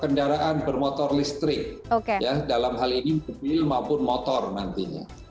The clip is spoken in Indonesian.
kendaraan bermotor listrik dalam hal ini mobil maupun motor nantinya